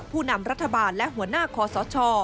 ผู้นำรัฐบาลและหัวหน้าคอสช